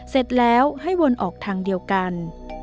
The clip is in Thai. เสร็จแล้วให้วนออกทางเดียวกัน